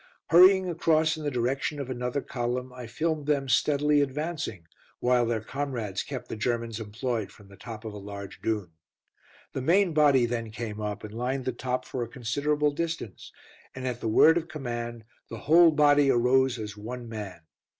Hurrying across in the direction of another column, I filmed them steadily advancing, while their comrades kept the Germans employed from the top of a large dune. The main body then came up and lined the top for a considerable distance, and at the word of command the whole body arose as one man.